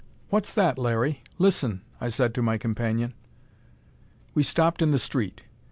"What's that, Larry? Listen!" I said to my companion. We stopped in the street.